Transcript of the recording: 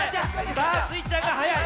さあスイちゃんがはやい。